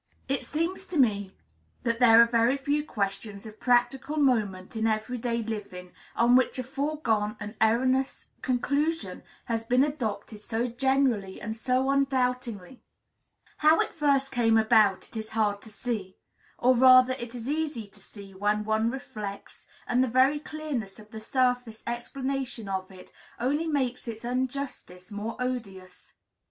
It seems to me that there are few questions of practical moment in every day living on which a foregone and erroneous conclusion has been adopted so generally and so undoubtingly. How it first came about it is hard to see. Or, rather, it is easy to see, when one reflects; and the very clearness of the surface explanation of it only makes its injustice more odious.